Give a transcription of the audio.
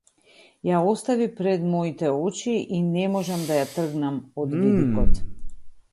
Ја остави пред моите очи и не можам да ја тргнам од видикот.